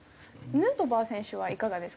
ヌートバー選手はいかがですか？